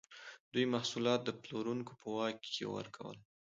دوی محصولات د پلورونکو په واک کې ورکول.